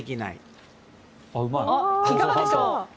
いかがでしょう。